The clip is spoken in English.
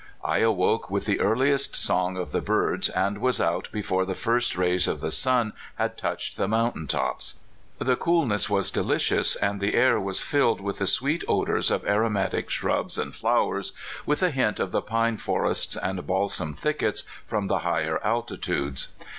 I awoke with the earliest song of the birds, and was out before the first rays of the sun had touched the mountain tops. The coolness was delicious, and the air was filled with the sweet odors of aromatic shrubs and flowers, with a hint of the pine forests and balsam thickets from the higher altitudes.